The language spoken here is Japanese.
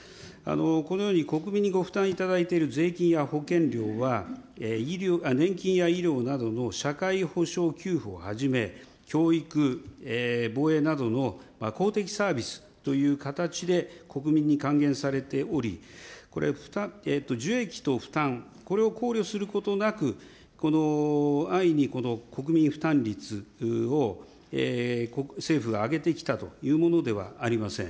このように国民にご負担いただいている税金や保険料は、年金や医療などの社会保障給付をはじめ、教育、防衛などの公的サービスという形で国民に還元されており、受益と負担、これを考慮することなく、この、安易に国民負担率を政府が上げてきたというものではありません。